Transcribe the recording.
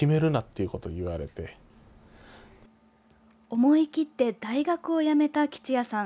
思い切って大学を辞めた吉也さん。